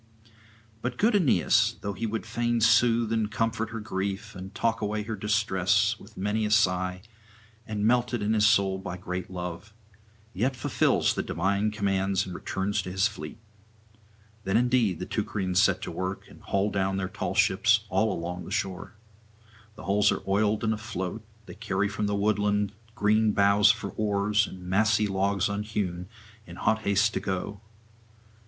But good Aeneas, though he would fain soothe and comfort her grief, and talk away her distress, with many a sigh, and melted in soul by his great love, yet fulfils the divine commands and returns to his fleet. Then indeed the Teucrians set to work, and haul down their tall ships all along the shore. The hulls are oiled and afloat; they carry from the woodland green boughs for oars and massy logs unhewn, in hot haste to go.